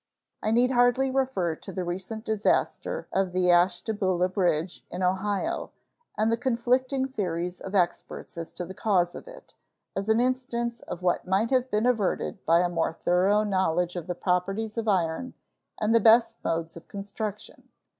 I need hardly refer to the recent disaster at the Ashtabula bridge, in Ohio, and the conflicting theories of experts as to the cause of it, as an instance of what might have been averted by a more thorough knowledge of the properties of iron and the best modes of construction.